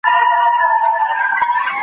ما په تور کي د مرغۍ ډلي لیدلې.